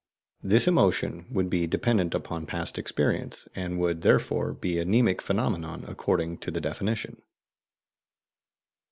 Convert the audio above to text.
This emotion would be dependent upon past experience, and would therefore be a mnemic phenomenon according to the definition.